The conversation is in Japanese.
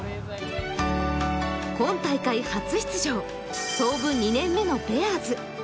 今大会初出場、創部２年目のベアーズ。